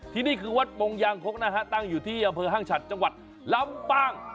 ที่นี่คือวัดปงยางคกนะฮะตั้งอยู่ที่อำเภอห้างฉัดจังหวัดลำปาง